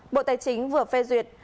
bộ tài chính vừa phê duyệt